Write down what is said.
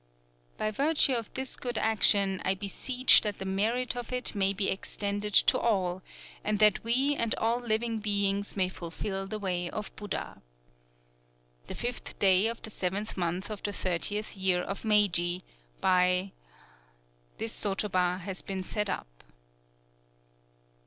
_ By virtue of this good action I beseech that the merit of it may be extended to all, and that we and all living beings may fulfil the Way of Buddha. _The fifth day of the seventh month of the thirtieth year of Meiji, by , this sotoba has been set up.